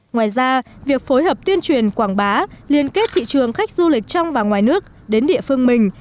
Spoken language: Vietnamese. ngoài ra việc phối hợp tuyên truyền quảng bá liên kết thị trường khách du lịch trong và ngoài nước đến địa phương mình